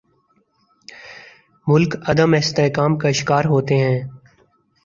ملک عدم استحکام کا شکار ہوتے ہیں۔